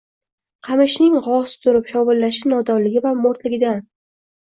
Qamishning g’oz turib shovullashi nodonligi va mo’rtligidan.